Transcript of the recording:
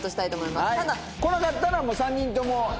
来なかったらもう３人とも。